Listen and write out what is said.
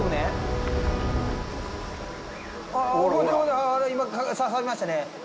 あ今刺さりましたね。